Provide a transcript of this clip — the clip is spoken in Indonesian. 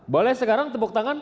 boleh sekarang tepuk tangan